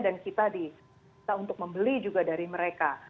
dan kita bisa untuk membeli juga dari mereka